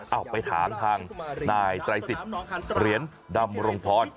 เอาไปถามทางนายไตรสิทธิ์เหรียญดำรงธร